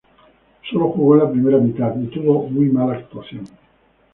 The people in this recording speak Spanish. Sólo jugó en la primera mitad, y tuvo una mala actuación.